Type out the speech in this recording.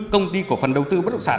công ty của phần đầu tư bất động sản